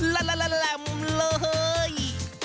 ล้าล้าล้าเลย